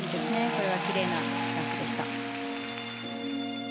これはきれいなジャンプでした。